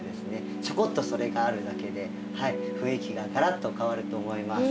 ちょこっとそれがあるだけで雰囲気がガラッと変わると思います。